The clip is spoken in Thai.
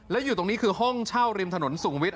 และอยู่ตรงนี้คือห้องเช่าริมถนนสูงวิทย